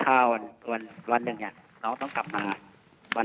พยาบาลวันนึงน้องต้องกลับมา